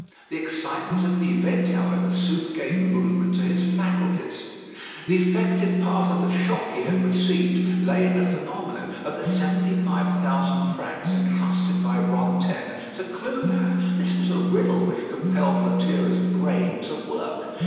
The excitement of the event, however, soon gave movement to his faculties. The effective part of the shock he had received lay in the phenomenon of the seventy five thousand francs entrusted by Rantaine to Clubin; this was a riddle which compelled Lethierry's brain to work.